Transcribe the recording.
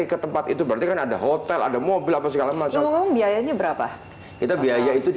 ke tempat itu berarti kan ada hotel ada mobil apa segala macam biayanya berapa kita biaya itu di